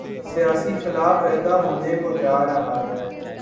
سیاسی خلا پیدا ہونے کو جارہا ہے۔